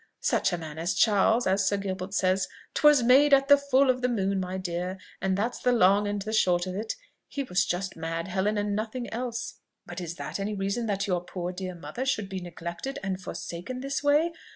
Such a man as Charles! as Sir Gilbert says. 'Twas made at the full of the moon, my dear, and that's the long and the short of it; he was just mad, Helen, and nothing else. But is that any reason that your poor dear mother should be neglected and forsaken this way!